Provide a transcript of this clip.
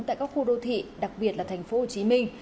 tại các khu đô thị đặc biệt là thành phố hồ chí minh